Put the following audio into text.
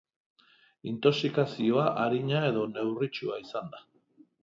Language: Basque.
Intoxikazioa arina edo neurritsua izan da.